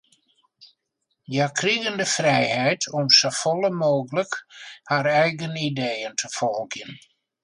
Hja krigen de frijheid om safolle mooglik har eigen ideeën te folgjen.